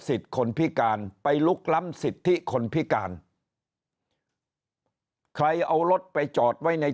คนพิการไปลุกล้ำสิทธิคนพิการใครเอารถไปจอดไว้ใน